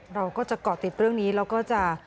เราก็จะเกาะติดเรื่องนี้แล้วก็จะ